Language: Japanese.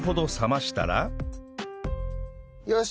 よし！